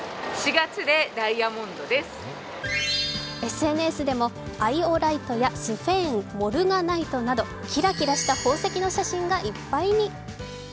ＳＮＳでもアイオライトやスフェーンモルガナイトなど、キラキラした宝石の写真がいっぱいに。